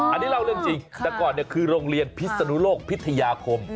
อันนี้เล่าเรื่องจริงแต่ก่อนคือโรงเรียนพิศนุโลกพิทยาคม